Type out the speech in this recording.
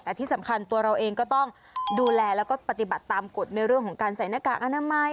แต่ที่สำคัญตัวเราเองก็ต้องดูแลแล้วก็ปฏิบัติตามกฎในเรื่องของการใส่หน้ากากอนามัย